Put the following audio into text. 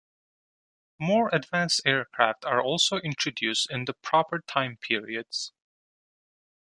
More advanced aircraft are also introduced in the proper time periods.